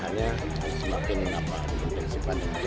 hari ini kami mendatangkan penampilan akademi jejako menara belanda di indonesia